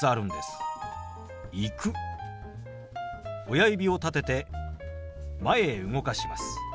親指を立てて前へ動かします。